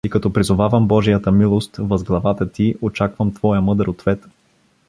И като призовавам божията милост въз главата ти, очаквам твоя мъдър ответ.